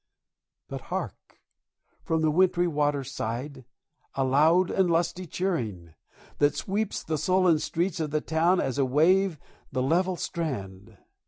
But hark, from the wintry waterside a loud and lusty cheering, That sweeps the sullen streets of the town as a wave the level strand!